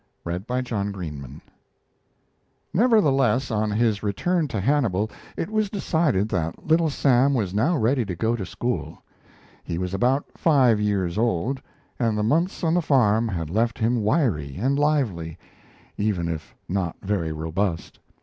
IX. SCHOOL DAYS Nevertheless, on his return to Hannibal, it was decided that Little Sam was now ready to go to school. He was about five years old, and the months on the farm had left him wiry and lively, even if not very robust.